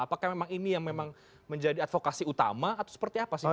apakah memang ini yang memang menjadi advokasi utama atau seperti apa sih